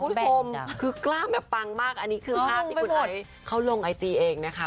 คือกล้ามแบบปังมากอันนี้คือภาพที่คุณออยเขาลงไอจีเองนะคะ